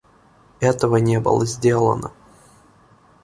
Этого не было сделано.